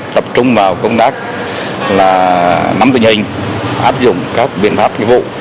tập trung vào công tác là nắm tình hình áp dụng các biện pháp nghiệp vụ